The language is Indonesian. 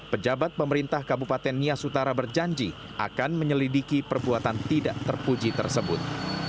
pejabat pemerintah kabupaten nias utara berjanji akan menyelidiki perbuatan tidak terpuji tersebut